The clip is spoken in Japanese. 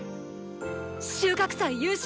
収穫祭優勝